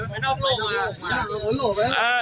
ไปนอกโลกมา